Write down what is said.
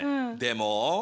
でも？